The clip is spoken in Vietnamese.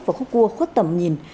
và khúc cua khuất tầm nhìn